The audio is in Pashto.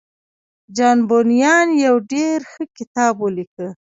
جان بونيان يو ډېر ښه کتاب وليکه.